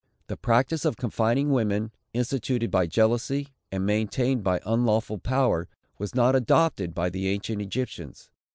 The practice of confining women, instituted by jealousy, and maintained by unlawful power, was not adopted by the ancient Egyptians.